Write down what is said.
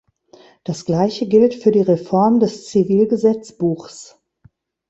Das Gleiche gilt für die Reform des Zivilgesetzbuchs.